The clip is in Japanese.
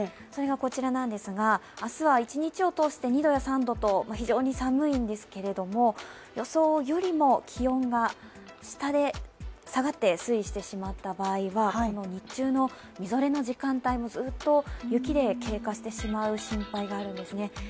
それがこちら、明日は一日を通して２度や３度と非常に寒いんですけれども、予想よりも気温が下がって推移してしまった場合は日中のみぞれの時間帯もずっと雪で経過してしまう心配があるんですね。